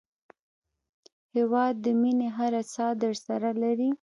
هېواد د مینې هره ساه درسره لري.